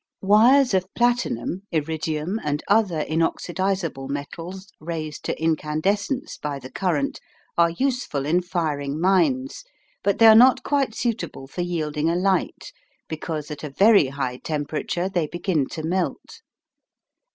Wires of platinum, iridium, and other inoxidisable metals raised to incandescence by the current are useful in firing mines, but they are not quite suitable for yielding a light, because at a very high temperature they begin to melt.